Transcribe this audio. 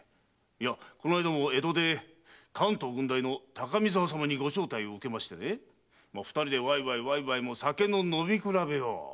このあいだも江戸で関東郡代の高見沢様にご招待を受けまして二人でワイワイ酒の飲み比べを。